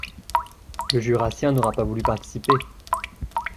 Le Jurassien n’aura pas voulu participer